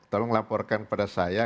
tolong laporkan kepada saya